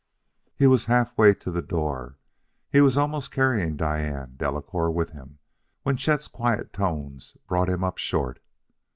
He was halfway to the door he was almost carrying Diane Delacouer with him when Chet's quiet tones brought him up short.